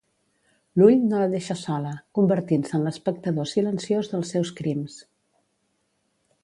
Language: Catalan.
L’Ull no la deixa sola, convertint-se en l'espectador silenciós dels seus crims.